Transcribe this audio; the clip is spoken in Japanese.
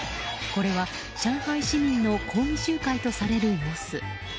これは、上海市民の抗議集会とされる様子。